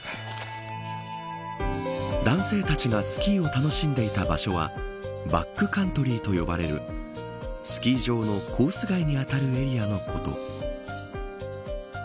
男性たちがスキーを楽しんでいた場所はバックカントリーと呼ばれるスキー場のコース外にあたるエリアのこと。